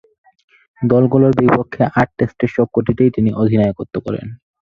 দলগুলোর বিপক্ষে আট টেস্টের সবকটিতেই তিনি অধিনায়কত্ব করেন।